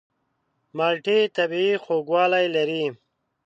مالټې طبیعي خوږوالی لري.